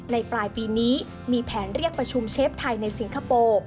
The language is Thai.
ปลายปีนี้มีแผนเรียกประชุมเชฟไทยในสิงคโปร์